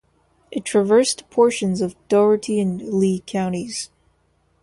It traversed portions of Dougherty and Lee counties.